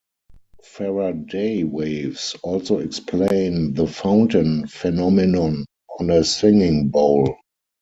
Faraday waves also explain the 'fountain' phenomenon on a singing bowl.